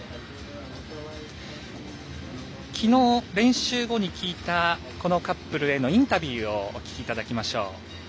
きのう練習後に聞いたこのカップルへのインタビューをお聞きいただきましょう。